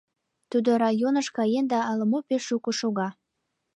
Тудо районыш каен да ала-мо пеш шуко шога.